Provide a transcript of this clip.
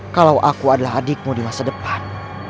kalau aku adalah adikmu di masa depan